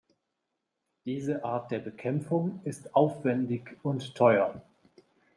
Diese Art der Bekämpfung ist aufwändig und teuer.